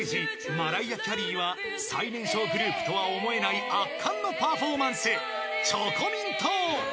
マライア・キャリーは最年少グループとは思えない圧巻のパフォーマンス］